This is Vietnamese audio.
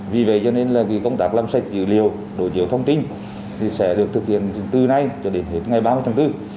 vì vậy cho nên là công tác làm sạch dữ liệu đối chiếu thông tin sẽ được thực hiện từ nay cho đến hết ngày ba mươi tháng bốn